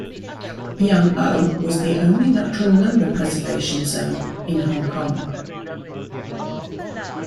Yam O was the only natural lumber preservation zone in Hong Kong.